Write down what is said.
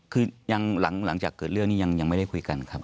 คือยังหลังจากเกิดเรื่องนี้ยังไม่ได้คุยกันครับ